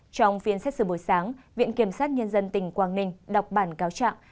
trong phiên xét xử buổi sáng viện kiểm sát nhân dân tỉnh quảng ninh đọc bản cáo trạng